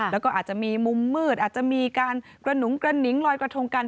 แล้วก็อาจจะมีมุมมืดอาจจะมีการกระหนุงกระหนิงลอยกระทงกัน